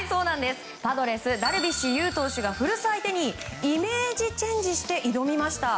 パドレスダルビッシュ有投手が古巣相手にイメージチェンジして挑みました。